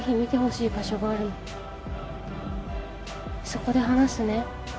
そこで話すね